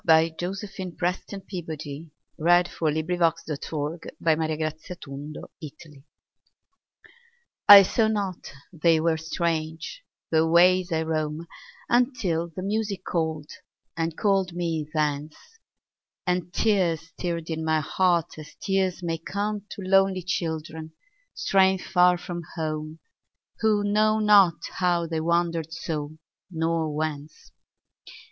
By Josephine PrestonPeabody 1671 After Music I SAW not they were strange, the ways I roam, Until the music called, and called me thence, And tears stirred in my heart as tears may comeTo lonely children straying far from home, Who know not how they wandered so, nor whence.